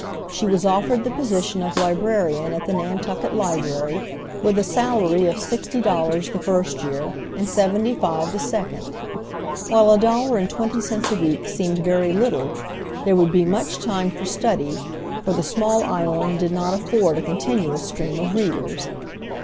She was offered the position of librarian at the Nantucket library, with a salary of sixty dollars the first year, and seventy five the second. While a dollar and twenty cents a week seemed very little, there would be much time for study, for the small island did not afford a continuous stream of readers.